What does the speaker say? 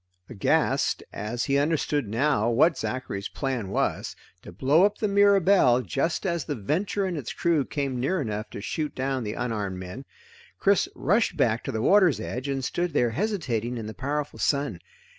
Aghast, as he understood now what Zachary's plan was to blow up the Mirabelle just as the Venture and its crew came near enough to shoot down the unarmed men Chris rushed back to the water's edge and stood there hesitating in the powerful sun.